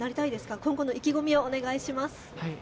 今後の意気込みをお願いします。